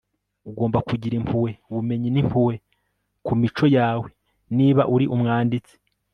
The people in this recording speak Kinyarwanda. ugomba kugira impuhwe, ubumenyi n'impuhwe ku mico yawe niba uri umwanditsi